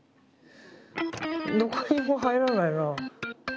どこにも入らないな。